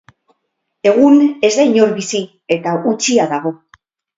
Egun ez da inor bizi, eta utzia dago.